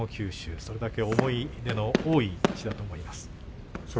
それだけ思い出の多い場所だと思います。